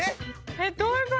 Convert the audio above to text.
えっどういう事？